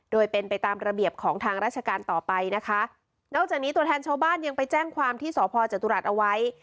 โดยเป็นไปตามระเบียบของทางราชการต่อไปนะคะนอกจากนี้ตัวแทนชาวบ้านยังไปแจ้งความที่สพจตุรัสเอาไว้